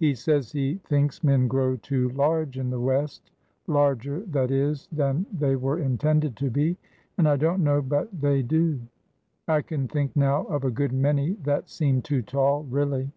He says he thinks men grow too large in the West,— larger, that is, than they were intended to be. And I don't know but they 127 ORDER NO. 11 1 18 do. I can think now of a good many that seem too tall, really.